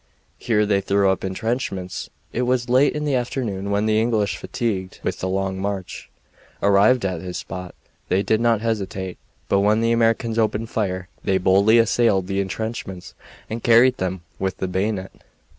Here they threw up intrenchments. It was late in the afternoon when the English, fatigued with the long march, arrived at this spot. They did not hesitate, but when the Americans opened fire they boldly assailed the intrenchments and carried them with the bayonet.